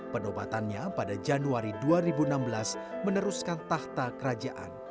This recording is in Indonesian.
penobatannya pada januari dua ribu enam belas meneruskan tahta kerajaan